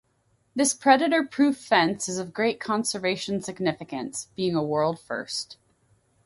This predator-proof fence is of great conservation significance, being a world first.